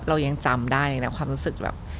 เรายังจำได้เลยนะความรู้สึกแบบ